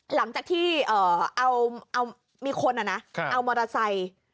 หลังจากที่มีคนเอามอเตอร์ไซค์